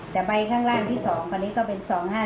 แต่ใบข้างล่างที่๒คนนี้ก็เป็น๒๕๖